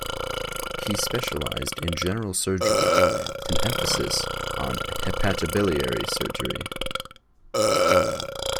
He specialized in general surgery, with an emphasis on hepatobiliary surgery.